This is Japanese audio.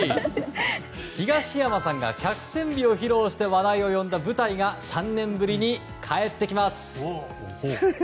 東山さんが脚線美を披露して話題を呼んだ舞台が３年ぶりに帰ってきます。